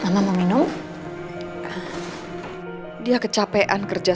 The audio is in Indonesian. ya masih tidur juga